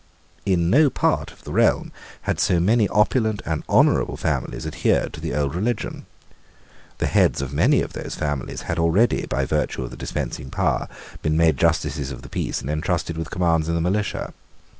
In no part of the realm had so many opulent and honourable families adhered to the old religion. The heads of many of those families had already, by virtue of the dispensing power, been made justices of the Peace and entrusted with commands in the militia.